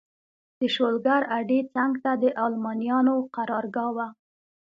د شولګر اډې څنګ ته د المانیانو قرارګاه وه.